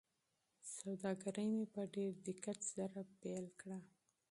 سوداګري مې په ډېر دقت پیل کړه.